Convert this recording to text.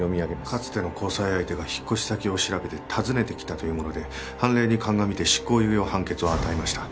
かつての交際相手が引っ越し先を調べて訪ねてきたというもので判例に鑑みて執行猶予判決を与えました。